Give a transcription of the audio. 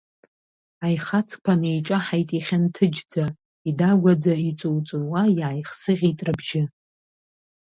Аихацқәа неиҿаҳаит ихьанҭыџьӡа, идагәаӡа, иҵууҵууа иааихсыӷьит рыбжьы.